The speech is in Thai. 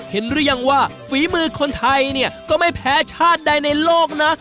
หรือยังว่าฝีมือคนไทยเนี่ยก็ไม่แพ้ชาติใดในโลกนะ